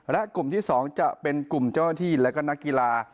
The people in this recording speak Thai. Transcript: และกลุ่มที่๒จะเป็นกลุ่มเจ้าหน้าที่และก็นักกีฬา